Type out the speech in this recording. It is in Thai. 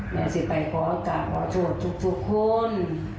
แม่สิไปขออาศัยการขอโทษทุกคน